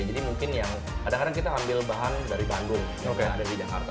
jadi mungkin yang kadang kadang kita ambil bahan dari bandung yang ada di jakarta